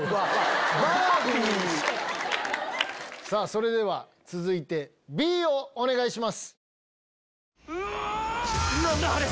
それでは続いてＢをお願いします。